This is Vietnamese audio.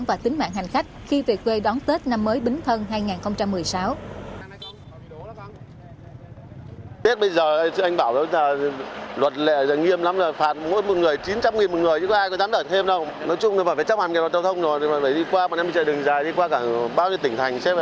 và tính mạng hành khách khi về quê đón tết năm mới bính thân hai nghìn một mươi sáu